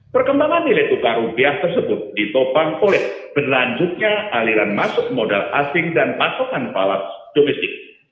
perkembangan nilai tukar rupiah tersebut ditopang oleh berlanjutnya aliran masuk modal asing dan pasokan balap domestik